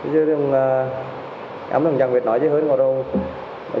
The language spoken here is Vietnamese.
chưa đừng ám đồng chẳng việc nói chứ hơn có đâu